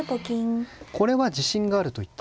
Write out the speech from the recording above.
これは自信があるといった手ですね。